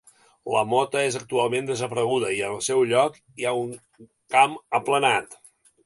La Mota és actualment desapareguda, i en el seu lloc hi ha un camp aplanat.